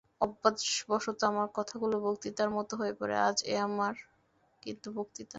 অভ্যাসবশত আমার কথাগুলো বক্তৃতার মতো হয়ে পড়ে, আজ এ আমার কিন্তু বক্তৃতা নয়।